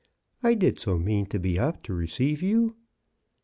" I did so mean to be up to receive you